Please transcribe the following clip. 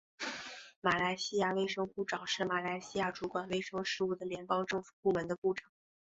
马来西亚卫生部长是马来西亚主管卫生事务的联邦政府部门的部长。